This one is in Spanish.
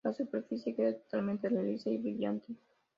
La superficie queda totalmente lisa y brillante.